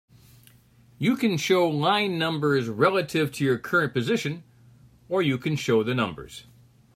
You can show line numbers relative to your current position, or you can show the numbers.